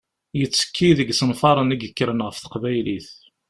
Yettekki deg yisenfaren i yekkren ɣef Teqbaylit.